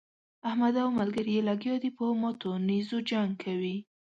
احمد او ملګري يې لګيا دي په ماتو نېزو جنګ کوي.